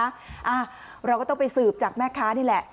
อ่าเราก็ต้องไปสืบจากแม่ค้านี่แหละ